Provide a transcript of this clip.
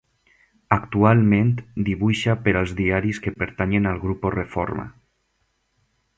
Actualment dibuixa per als diaris que pertanyen al Grupo Reforma.